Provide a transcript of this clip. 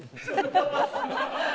ハハハハ！